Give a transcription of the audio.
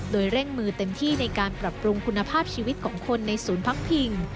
โดยเร่งมือเต็มที่ในการปรับปรุงคุณภาพชีวิตของคนในศูนย์พักพิง